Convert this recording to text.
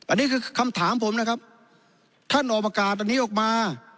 อันนี้คือคำถามผมนะครับท่านออกประกาศอันนี้ออกมา